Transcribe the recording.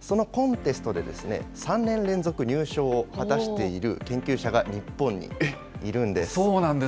そのコンテストで、３年連続入賞を果たしている研究者が日本にいるんです。